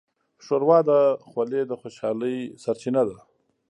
ښوروا د خولې د خوشحالۍ سرچینه ده.